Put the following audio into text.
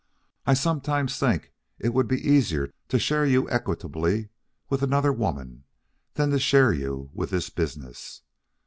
I sometimes think it would be easier to share you equitably with another woman than to share you with this business.